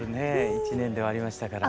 １年ではありましたから。